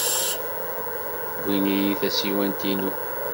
Wwin-iyi tasiwant-inu.